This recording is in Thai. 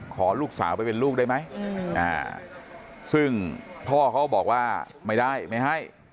ขอลูกสาวไปเป็นลูกได้ไหมซึ่งพ่อเขาก็บอกว่าไม่ได้ไม่ให้